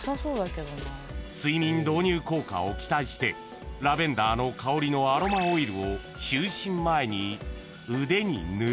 ［睡眠導入効果を期待してラベンダーの香りのアロマオイルを就寝前に腕に塗る］